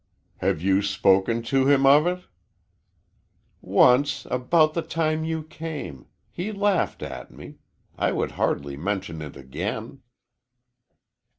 "Have you spoken to him of it?" "Once about the time you came he laughed at me. I would hardly mention it again."